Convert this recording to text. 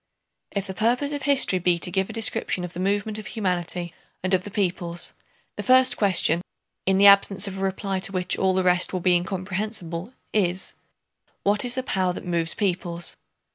If the purpose of history be to give a description of the movement of humanity and of the peoples, the first question—in the absence of a reply to which all the rest will be incomprehensible—is: what is the power that moves peoples?